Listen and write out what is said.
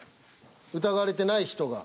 疑われてない人が。